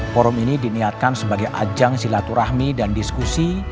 forum ini diniatkan sebagai ajang silaturahmi dan diskusi